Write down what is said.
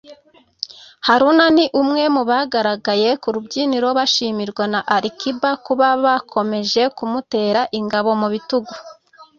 Haruna ni umwe mu bagaragaye ku rubyiniro bashimirwa na Ali Kiba kuba bakomeje kumutera ingabo mu bitugu